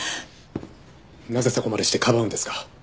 なぜそこまでしてかばうんですか？